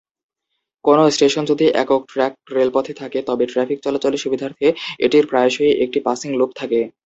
কোনও স্টেশন যদি একক-ট্র্যাক রেলপথে থাকে তবে ট্র্যাফিক চলাচলের সুবিধার্থে এটির প্রায়শই একটি পাসিং লুপ থাকে।